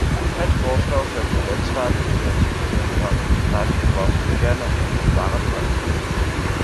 Het voorstel zet de lidstaten die het systeem van registratiebelasting kennen, onder zware druk.